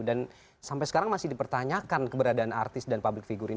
dan sampai sekarang masih dipertanyakan keberadaan artis dan public figure